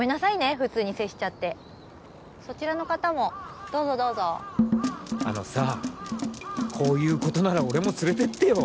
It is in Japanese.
普通に接しちゃってそちらの方もどうぞどうぞあのさこういうことなら俺も連れてってよ